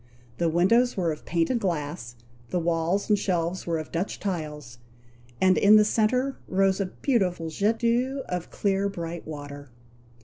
The windows were of painted glass; the walls and shelves were of Dutch tiles, and in the centre rose a beautiful jet d'eau of clear bright water.